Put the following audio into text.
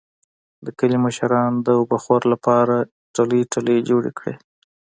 د کلي مشرانو د اوبهخور لپاره ټلۍ ټلۍ جوړې کړې.